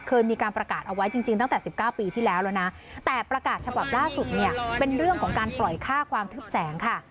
เคยมีการประกาศเอาไว้จริงตั้งแต่๑๙ปีที่แล้วแล้วนะแต่ประกาศฉบับล่าสุดเนี่ยเป็นเรื่องของการปล่อยค่าความทึบแสงค่ะ